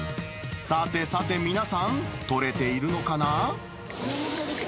さてさて、皆さん、取れているのかな？